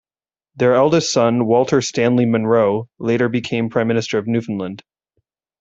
Their eldest son, Walter Stanley Monroe, later became prime minister of Newfoundland.